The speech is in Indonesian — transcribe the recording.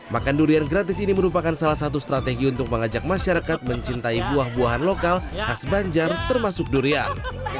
makan durian gratis ini merupakan salah satu strategi untuk mengajak masyarakat mencintai buah buahan lokal khas banjar termasuk durian